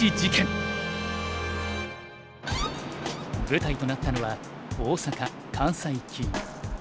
舞台となったのは大阪関西棋院。